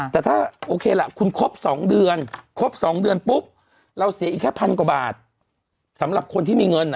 แต่ถ้าโอเคล่ะคุณครบ๒เดือนครบ๒เดือนปุ๊บเราเสียอีกแค่พันกว่าบาทสำหรับคนที่มีเงิน